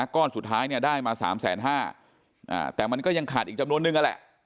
ก้อนสุดท้ายเนี่ยได้มา๓๕๐๐บาทแต่มันก็ยังขาดอีกจำนวนนึงนั่นแหละ